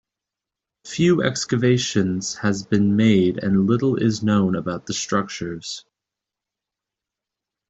Few excavations has been made and little is known about the structures.